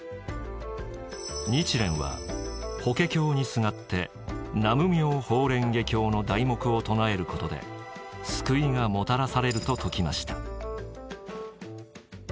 日蓮は「法華経にすがって南無妙法蓮華経の題目を唱えることで救いがもたらされる」と説きました。